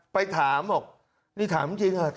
ไปถามผมถามเพิ่งจริงค่ะ